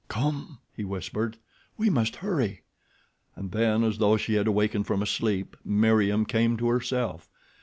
"Come!" he whispered. "We must hurry." And then, as though she had awakened from a sleep, Meriem came to herself.